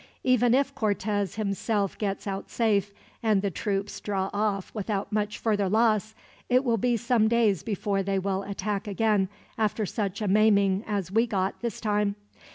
Even if Cortez himself gets out safe, and the troops draw off without much further loss, it will be some days before they will attack again, after such a maiming as we got, this time.